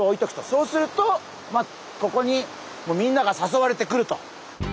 そうするとまあここにみんなが誘われてくると。